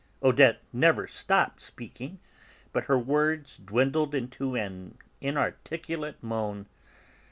Odette never stopped speaking, but her words dwindled into an inarticulate moan.